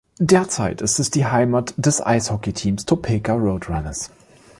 Derzeit ist es die Heimat des Eishockeyteams Topeka Roadrunners.